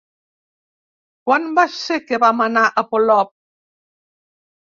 Quan va ser que vam anar a Polop?